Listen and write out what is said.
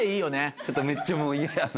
ちょっとめっちゃもう嫌やな。